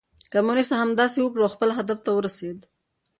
کمونيسټ همداسې وکړل او خپل هدف ته ورسېد.